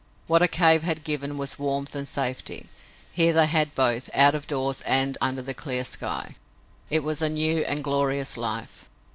What a cave had given was warmth and safety. Here they had both, out of doors and under the clear sky. It was a new and glorious life.